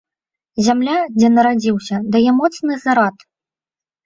Зямля, дзе нарадзіўся, дае моцны зарад.